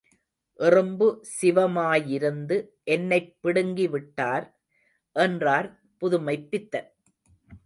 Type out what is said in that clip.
எறும்பு சிவமாயிருந்து என்னைப் பிடுங்கி விட்டார். என்றார் புதுமைப் பித்தன்.